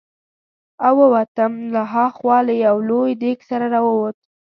او ووتم، له ها خوا له یو لوی دېګ سره را ووت.